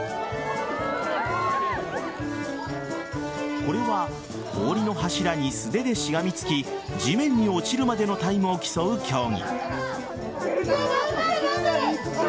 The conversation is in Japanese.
これは氷の柱に素手でしがみつき地面に落ちるまでのタイムを競う競技。